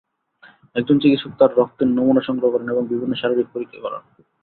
একজন চিকিৎসক তাঁর রক্তের নমুনা সংগ্রহ করেন এবং বিভিন্ন শারীরিক পরীক্ষা করান।